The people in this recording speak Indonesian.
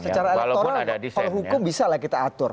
secara elektoral hukum bisa lah kita atur